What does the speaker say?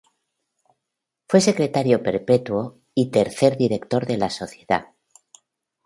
Fue secretario perpetuo y tercer director de la sociedad.